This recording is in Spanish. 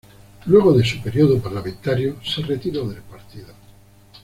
Luego de su período parlamentario se retiró del partido.